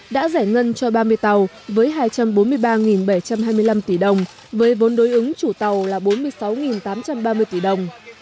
đã giải ngân cho ba mươi tàu với hai trăm bốn mươi ba bảy trăm hai mươi năm tỷ đồng với vốn đối ứng chủ tàu là bốn mươi sáu tám trăm ba mươi tỷ đồng